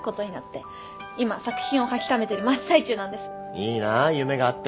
いいな夢があって。